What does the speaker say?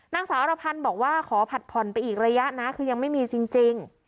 นางสาวอรพันธ์บอกว่าขอผัดผ่อนไปอีกระยะนะคือยังไม่มีจริง